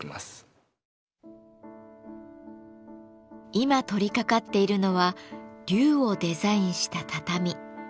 今取りかかっているのは龍をデザインした畳。